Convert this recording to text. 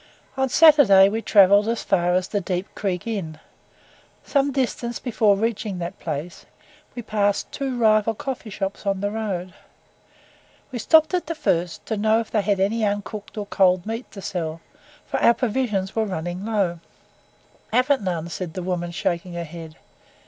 On Saturday we travelled as far as the "Deep Creek Inn." Some distance before reaching that place, we passed two rival coffee shops on the road. We stopped at the first, to know if they had any uncooked or cold meat to sell, for our provisions were running low. "Havn't none," said the woman, shaking her head.